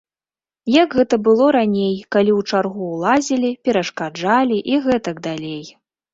Як гэта было раней, калі ў чаргу ўлазілі, перашкаджалі і гэтак далей.